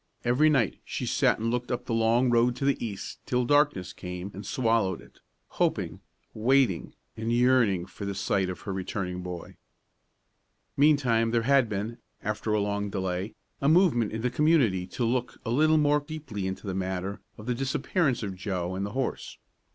Every night she sat and looked up the long road to the east till darkness came and swallowed it, hoping, waiting, and yearning for the sight of her returning boy. Meantime there had been, after a long delay, a movement in the community to look a little more deeply into the matter of the disappearance of Joe and the horse.